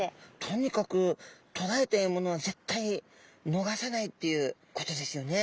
とにかくとらえた獲物は絶対逃さないっていうことですよね。